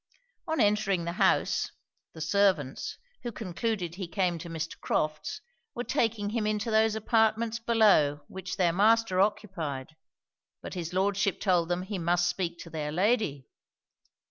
On entering the house, the servants, who concluded he came to Mr. Crofts, were taking him into those apartments below which their master occupied: but his Lordship told them he must speak to their lady.